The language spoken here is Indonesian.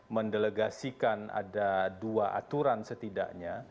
mendelegasikan ada dua aturan setidaknya